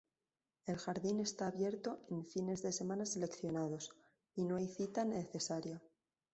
El jardín está abierto en fines de semana seleccionados, y no hay cita necesaria.